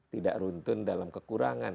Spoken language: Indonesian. tidak runtun dalam kekurangan